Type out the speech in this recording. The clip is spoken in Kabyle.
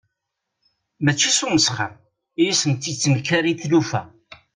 Mačči s usmesxer i asent-ittekkar i tlufa.